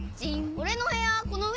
俺の部屋この上？